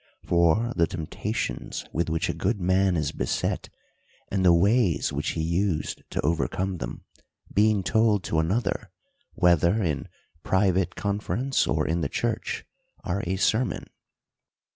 For, the temptations with which a good man is beset, and the ways which he used to overcome them, being told to another, whether in private conference or _ 74 THE COUNTRY PARSON. in the church, are a sermon.